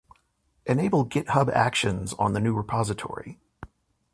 Enable GitHub Actions on the new repository